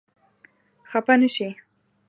خپه نه شې.